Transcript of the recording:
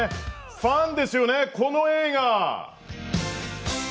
ファンですよね、この映画。